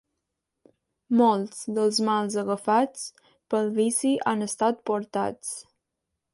Molts dels mals agafats, pel vici han estat portats.